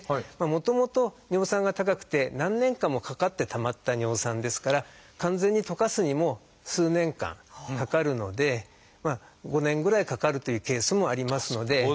もともと尿酸が高くて何年間もかかってたまった尿酸ですから完全に溶かすにも数年間かかるので５年ぐらいかかるというケースもありますので。